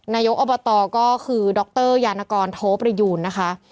นายกอบตก็คือดรยานกรโทประยูนนะคะ